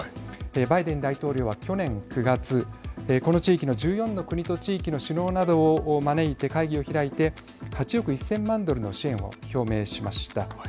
バイデン大統領は去年９月この地域の１４の国と地域の首脳などを招いて会議を開いて８億１０００万ドルの支援を表明しました。